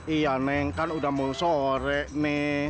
iya neng kan udah mau sore nih